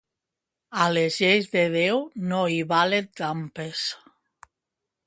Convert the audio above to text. A les lleis de Déu no hi valen trampes.